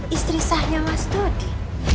istri sahnya mas dodi